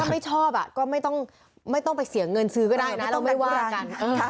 ถ้าไม่ชอบก็ไม่ต้องไปเสียเงินซื้อก็ได้นะเราไม่ว่ากัน